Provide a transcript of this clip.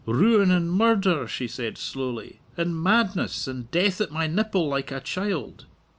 "Ruin and murder," she said slowly, "and madness; and death at my nipple like a child!